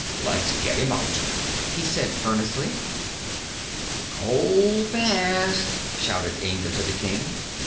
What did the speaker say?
"Let's get him out," he said earnestly. "Hold fast!" shouted Inga to the King.